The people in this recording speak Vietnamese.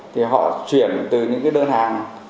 thì họ chuyển từ những đơn hàng